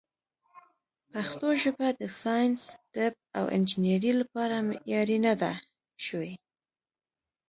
پښتو ژبه د ساینس، طب، او انجنیرۍ لپاره معیاري نه ده شوې.